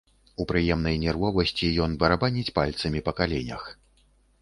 У прыемнай нервовасці ён барабаніць пальцамі па каленях.